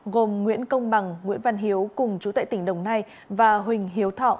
gồm nguyễn công bằng nguyễn văn hiếu cùng chú tại tỉnh đồng nai và huỳnh hiếu thọ